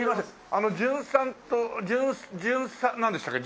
あのじゅんさんとじゅんなんでしたっけ？